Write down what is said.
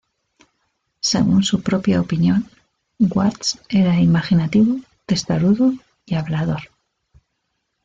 Según su propia opinión, Watts era imaginativo, testarudo, y hablador.